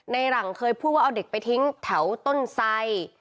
หลังเคยพูดว่าเอาเด็กไปทิ้งแถวต้นไซ